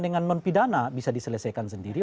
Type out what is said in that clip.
dengan mempidana bisa diselesaikan sendiri